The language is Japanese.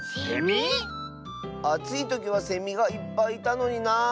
あついときはセミがいっぱいいたのになあ。